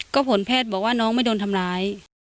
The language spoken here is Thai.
ก็ผลแพทย์บอกว่าน้องไม่โดนทำร้าย